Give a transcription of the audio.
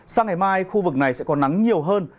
sang ngày mai khu vực này sẽ có nắng nhiều hơn